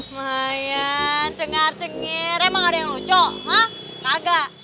mayan cengar cengir emang ada yang lucu hah gak